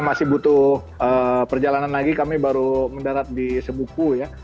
masih butuh perjalanan lagi kami baru mendarat di sebuku ya